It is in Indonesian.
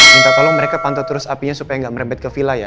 minta tolong mereka pantau terus apinya supaya nggak merembet ke villa ya